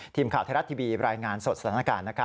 ทีมข่าวไทยรัฐทีวีรายงานสดสถานการณ์